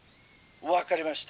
「分かりました。